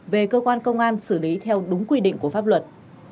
về cơ quan công an xử lý theo đúng quy định của pháp luật